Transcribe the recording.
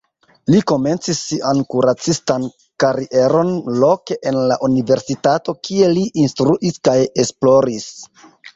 Li komencis sian kuracistan karieron loke en la universitato, kie li instruis kaj esploris.